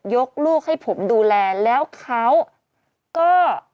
ลูกให้ผมดูแลแล้วเขาก็